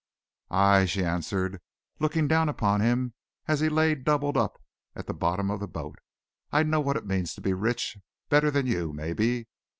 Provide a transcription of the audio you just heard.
"Aye!" she answered, looking down upon him as he lay doubled up at the bottom of the boat. "I know what it means to be rich better than you, maybe.